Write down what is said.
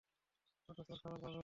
অতঃপর খাবার পাক হল।